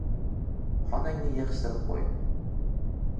Xonangni yig`ishtirib qo`y!